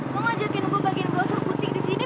lo ngajakin gue bagiin browser putih di sini